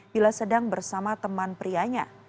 bila sedang bersama teman prianya